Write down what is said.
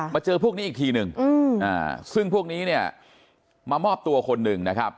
เจอพวกนี้อีกทีหนึ่งซึ่งพวกนี้เนี่ยมามอบตัวคนหนึ่งนะครับ